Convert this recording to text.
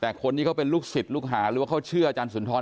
แต่คนที่เขาเป็นลูกศิษย์ลูกหาหรือว่าเขาเชื่ออาจารย์สุนทร